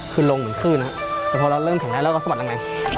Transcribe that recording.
ขึ้นลงเหมือนขึ้นฮะแต่พอเราเริ่มแข่งได้แล้วก็สะบัดแรง